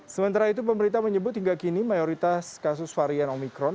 sementara itu pemerintah menyebut hingga kini mayoritas kasus varian omikron